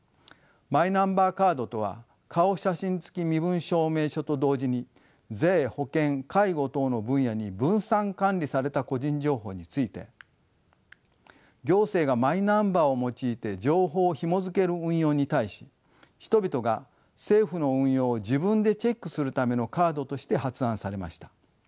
マイナンバーカードとは顔写真付き身分証明証と同時に税保険介護等の分野に分散管理された個人情報について行政がマイナンバーを用いて情報をひもづける運用に対し人々が政府の運用を自分でチェックするためのカードとして発案されました。